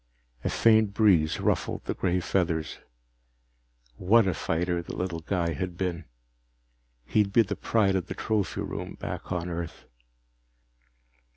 A faint breeze ruffled the gray feathers. What a fighter the little guy had been! He'd be the pride of the trophy room, back on Earth.